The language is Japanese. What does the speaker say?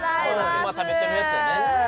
今たべてるやつやね